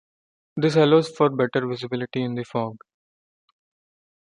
This allows for better visibility in the fog.